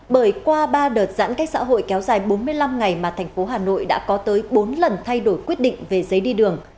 bởi qua ba đợt giãn cách xã hội kéo dài bốn mươi năm ngày mà thành phố hà nội đã có tới bốn lần thay đổi quyết định về giấy đi đường